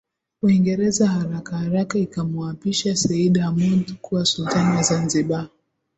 Uingereza harakaharaka ikamuapisha Seyyid Hamoud kuwa Sultan wa Zanzibar